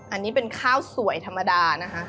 อันนี้เป็นข้าวสวยธรรมดานะคะ